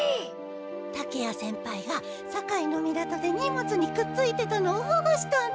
竹谷先輩が堺の港で荷物にくっついてたのをほごしたんだ。